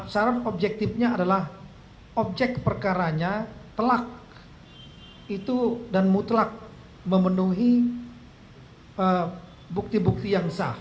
saran objektifnya adalah objek perkaranya telak dan mutlak memenuhi bukti bukti yang sah